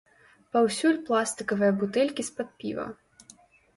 Паўсюль пластыкавыя бутэлькі з-пад піва.